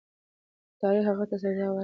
خو تاریخ هغه ته سزا ورکړه.